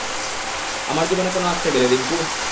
আমার জীবনে কেন আসতে গেলে, রিংকু?